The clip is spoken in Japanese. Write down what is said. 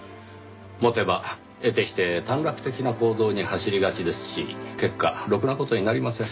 持てば得てして短絡的な行動に走りがちですし結果ろくな事になりません。